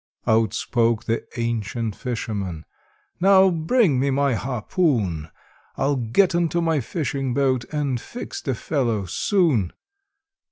Out spoke the ancient fisherman, "Now bring me my harpoon! I'll get into my fishing boat, and fix the fellow soon."